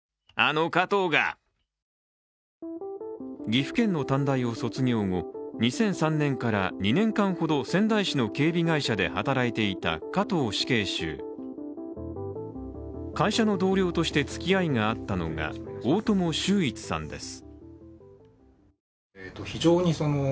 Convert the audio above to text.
岐阜県の短大を卒業後、２００３年から２年間ほど仙台市の警備会社で働いていた加藤死刑囚会社の同僚として付き合いがあったのが大友秀逸さんです。